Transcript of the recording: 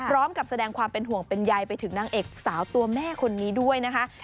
พร้อมกับแสดงความเป็นห่วงเป็นใยไปถึงนางเอกสาวตัวแม่คนนี้ด้วยนะคะ